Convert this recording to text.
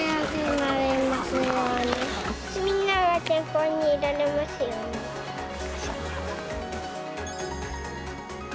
みんなが健康にいられますよ